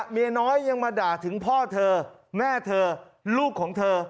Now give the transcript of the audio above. เมียน้อยยังมาด่าถึงพ่อเธอแม่เธอลูกของเธอ